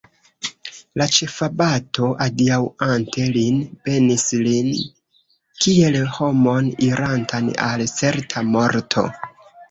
La ĉefabato, adiaŭante lin, benis lin kiel homon, irantan al certa morto.